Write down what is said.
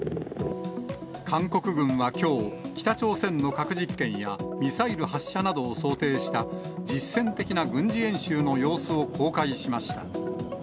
韓国軍はきょう、北朝鮮の核実験や、ミサイル発射などを想定した実戦的な軍事演習の様子を公開しました。